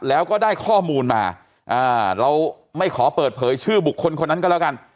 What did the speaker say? แล้วก็ได้ข้อมูลมาเราไม่ขอเปิดเผยชื่อบุคคลคนนั้นก็แล้วกัน